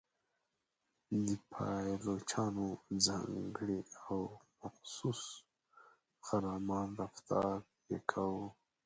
د پایلوچانو ځانګړی او مخصوص خرامان رفتار یې کاوه.